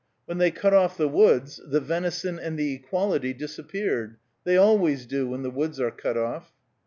When they cut off the woods the venison and the equality disappeared; they always do when the woods are cut off."